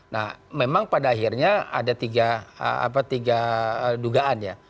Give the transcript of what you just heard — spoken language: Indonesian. nah memang pada akhirnya ada tiga dugaan ya